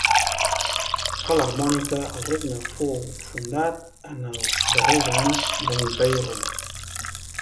A l'Armòrica el regne fou fundat en els darrers anys de l'Imperi Romà.